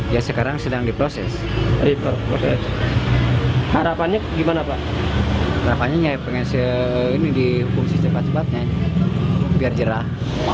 ini dihukum si cepat cepatnya biar jerah